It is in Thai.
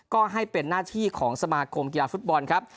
ก็ให้เป็นหน้าที่ของสมาคมกีฬาฟุตบอลครับ